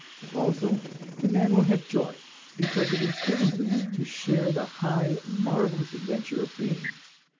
Also the man will have joy, because it is given him to share the high, marvelous adventure of being.